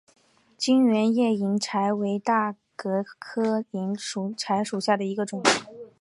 全缘叶银柴为大戟科银柴属下的一个种。